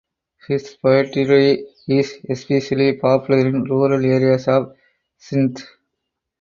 His poetry is especially popular in rural areas of Sindh.